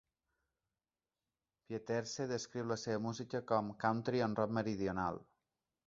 Pieterse descriu la seva música com "country amb rock meridional".